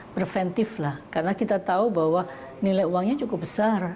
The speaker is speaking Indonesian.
preventif lah karena kita tahu bahwa nilai uangnya cukup besar